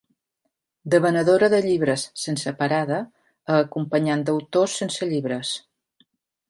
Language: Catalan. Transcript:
De venedora de llibres sense parada a acompanyant d'autors sense llibres.